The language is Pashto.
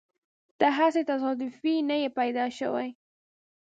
ته هسې تصادفي نه يې پیدا شوی.